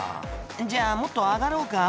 「じゃあもっと上がろうか？